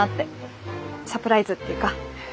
サプライズっていうか。